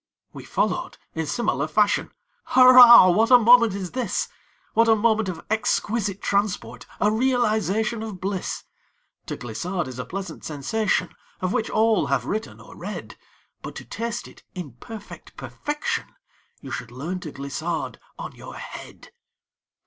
We followed, in similar fashion; Hurrah, what a moment is this! What a moment of exquisite transport! A realization of bliss! To glissade is a pleasant sensation, Of which all have written, or read; But to taste it, in perfect perfection, You should learn to glissade on your head.